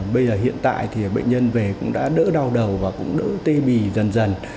bây giờ hiện tại bệnh nhân về cũng đã đỡ đau đầu và đỡ tê bì dần dần